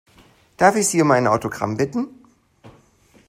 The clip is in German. Darf ich Sie um ein Autogramm bitten?